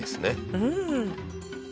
うん。